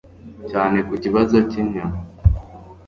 cyane ku kibazo cyinyama